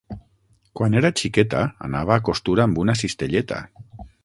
Quan era xiqueta, anava a costura amb una cistelleta.